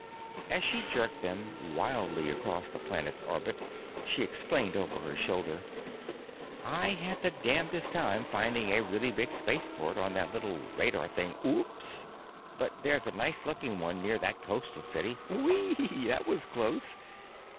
As she jerked them wildly across the planet's orbit she explained over her shoulder, "I had the darnedest time finding a really big spaceport on that little radar thing—oops!—but there's a nice looking one near that coastal city. Whee! That was close!